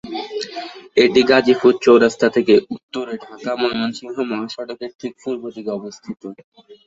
এটি গাজীপুর চৌরাস্তা থেকে উত্তরে ঢাকা-ময়মনসিংহ মহাসড়কের ঠিক পূর্ব দিকে অবস্থিত।